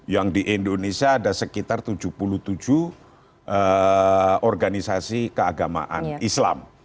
yang di indonesia ada sekitar tujuh puluh tujuh organisasi keagamaan islam